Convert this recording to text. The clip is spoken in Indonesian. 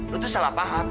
lo tuh salah paham